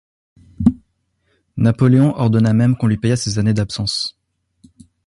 Napoléon ordonna même qu'on lui payât ses années d'absence.